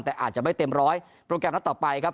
แต่อาจจะไม่เต็มร้อยโปรแกรมนัดต่อไปครับ